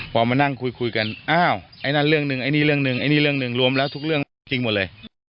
พอมานั่งคุยกันอ้าวไอ้นั่นเรื่องหนึ่งไอ้นี่เรื่องหนึ่งไอ้นี่เรื่องหนึ่งรวมแล้วทุกเรื่องจริงหมดเลย